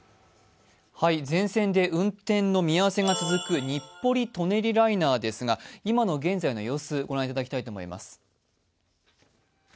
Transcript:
全線で運転の見合せが続く日暮里・舎人ライナーですが、今現在の様子、御覧いただきたいと思います。